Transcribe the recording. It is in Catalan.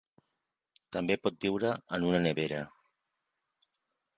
També pot viure en una nevera.